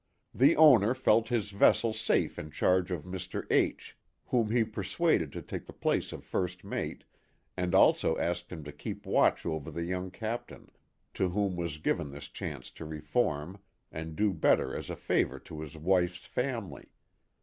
The owner felt his vessel safe in charge of Mr. H whom he persuaded to take the place of first mate and also asked him to keep watch over the young captain, to whom was given this chance to reform and do better as a favor to his wife's family.